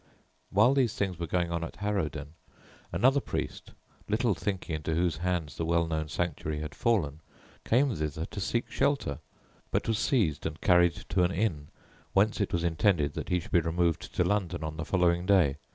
While these things were going on at Harrowden, another priest, little thinking into whose hands the well known sanctuary had fallen, came thither to seek shelter; but was seized and carried to an inn, whence it was intended he should be removed to London on the following day.